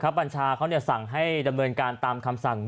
บัญชาเขาสั่งให้ดำเนินการตามคำสั่ง